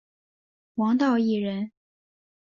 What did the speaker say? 王道义人。